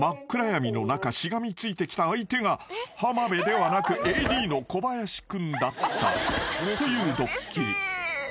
暗闇の中しがみついてきた相手が浜辺ではなくＡＤの小林君だったというドッキリ］